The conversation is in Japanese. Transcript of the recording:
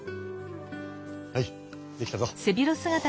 はいできたぞ。